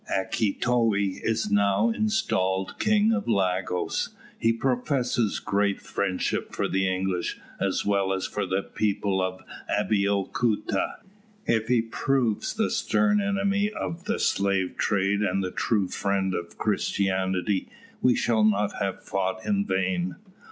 Akitoye is now installed King of Lagos. He professes great friendship for the English, as well as for the people of Abeokuta. If he proves the stern enemy of the slave trade and the true friend of Christianity, we shall not have fought in vain."